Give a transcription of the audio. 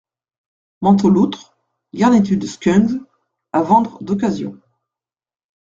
Manteau loutre, garniture Skungs, à vendre d'occasion.